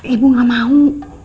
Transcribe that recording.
ibu gak mau